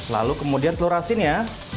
lalu kemudian telur asinnya